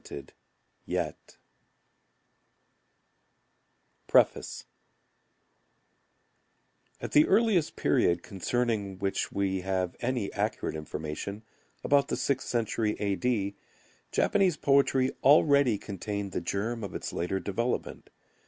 Endleaf Preface At the earliest period concerning which we have any accurate information, about the sixth century A. D., Japanese poetry already contained the germ of its later development.